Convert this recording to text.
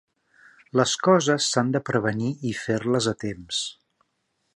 Les coses s'han de prevenir i fer-les a temps